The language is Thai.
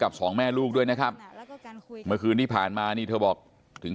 สองแม่ลูกด้วยนะครับเมื่อคืนที่ผ่านมานี่เธอบอกถึง